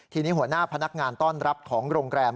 ทีนี้หัวหน้าพนักงานต้อนรับของโรงแรม